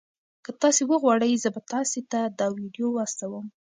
که تاسي وغواړئ زه به تاسي ته دا ویډیو واستوم.